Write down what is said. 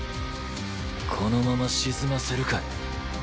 このまま沈ませるかよ。